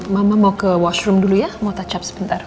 mama mau ke washroom dulu ya mau touch up sebentar